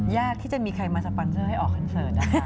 ที่จะมีใครมาสปอนเซอร์ให้ออกคอนเสิร์ตนะคะ